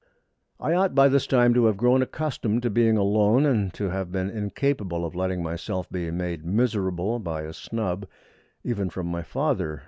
I ought by this time to have grown accustomed to being alone, and to have been incapable of letting myself be made miserable by a snub, even from my father.